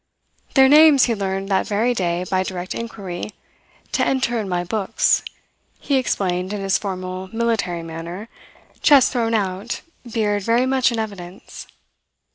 Their names he learned that very day by direct inquiry "to enter in my books," he explained in his formal military manner, chest thrown out, beard very much in evidence.